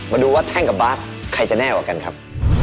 มาดูว่าแท่งกับบาสใครจะแน่กว่ากันครับ